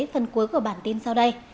phần cuối của bản tin sau đây